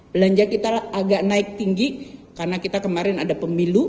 belanja kita agak naik tinggi karena kita kemarin ada pemilu